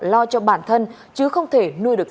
lo cho bản thân chứ không thể nuôi được